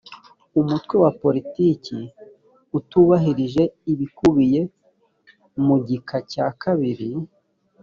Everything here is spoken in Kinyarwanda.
umutwe wa politiki utubahirije ibikubiye mu gika cya kabiri